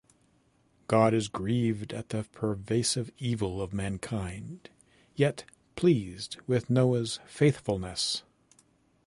God is "grieved" at the pervasive evil of mankind, yet "pleased" with Noah's faithfulness.